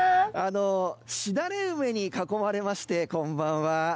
しだれ梅に囲まれましてこんばんは。